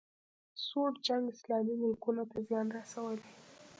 سوړ جنګ اسلامي ملکونو ته زیان رسولی